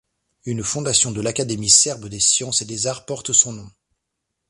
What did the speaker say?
Une fondation de l'Académie serbe des sciences et des arts porte son nom.